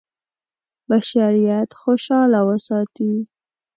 بشریت خوشاله وساتي.